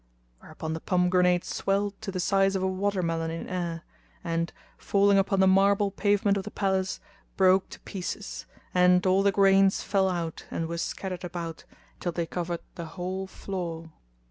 Whereupon the pomegranate swelled to the size of a water melon in air; and, falling upon the marble pavement of the palace, broke to pieces, and all the grains fell out and were scattered about till they covered the whole floor.